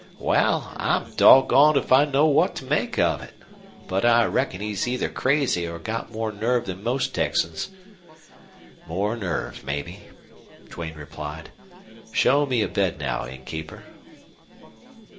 "Wal, I'm doggoned if I know what to make of it. But I reckon he's either crazy or got more nerve than most Texans." "More nerve, maybe," Duane replied. "Show me a bed now, innkeeper."